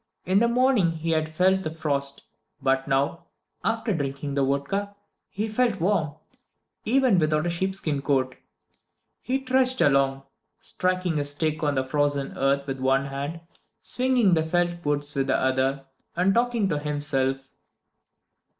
In the morning he had felt the frost; but now, after drinking the vodka, he felt warm, even without a sheep skin coat. He trudged along, striking his stick on the frozen earth with one hand, swinging the felt boots with the other, and talking to himself.